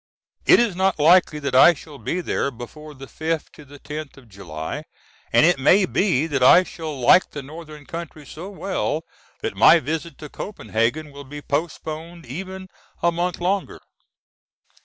It is not likely that I shall be there before the fifth to the tenth of July, and it may be that I shall like the northern country so well that my visit to Copenhagen will be postponed even a month longer.